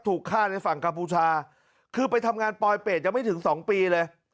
ถูกฆ่าในฝั่งกัมพูชาคือไปทำงานปลอยเปรตยังไม่ถึงสองปีเลย